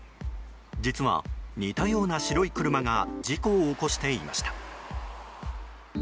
実は、似たような白い車が事故を起こしていました。